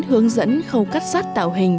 hướng dẫn khâu cắt sắt tạo hình